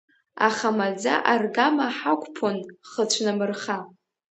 Аха маӡа-аргама ҳақәԥон хыцәнамырха.